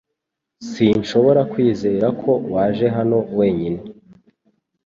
Sinshobora kwizera ko waje hano wenyine .